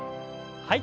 はい。